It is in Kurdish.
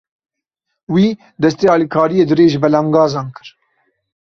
Wî, destê alîkariyê dirêjî belengazan kir.